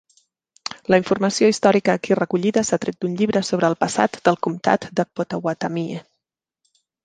La informació històrica aquí recollida s'ha tret d'un llibre sobre el passat del comtat de Pottawattamie.